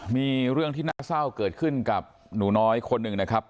มีเรื่องที่น่าเศร้าเกิดขึ้นกับหนูน้อยคนหนึ่งนะครับ